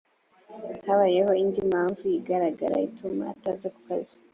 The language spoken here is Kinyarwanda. habayeho indi mpamvu igaragara ituma ataza ku kazi